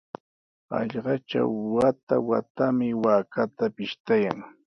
Hallqatraw wata-watami waakata pishtayan.